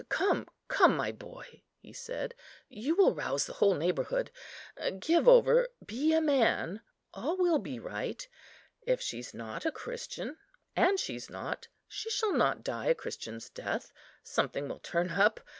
"Come, come, my boy," he said, "you will rouse the whole neighbourhood. Give over; be a man; all will be right. If she's not a Christian (and she's not), she shall not die a Christian's death; something will turn up.